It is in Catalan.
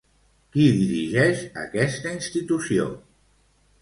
Qui dirigeix aquesta institució?